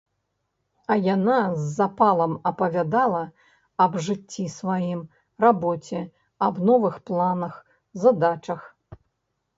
А яна з запалам апавядала аб жыцці сваім, рабоце, аб новых планах, задачах.